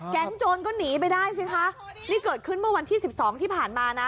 โจรก็หนีไปได้สิคะนี่เกิดขึ้นเมื่อวันที่สิบสองที่ผ่านมานะ